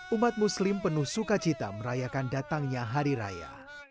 umat muslim penuh sukacita merayakan datangnya hari raya